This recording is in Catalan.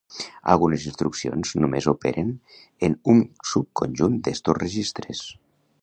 Algunes instruccions només operen en un subconjunt d'estos registres.